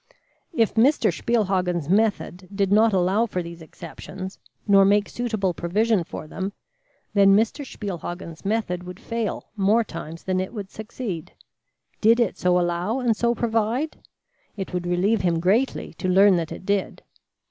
If Mr. Spielhagen's method did not allow for these exceptions, nor make suitable provision for them, then Mr. Spielhagen's method would fail more times than it would succeed. Did it so allow and so provide? It would relieve him greatly to learn that it did.